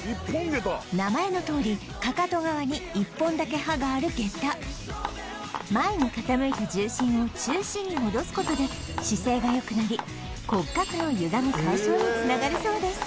名前のとおりかかと側に一本だけ歯がある下駄前に傾いた重心を中心に戻すことで姿勢がよくなり骨格のゆがみ解消につながるそうです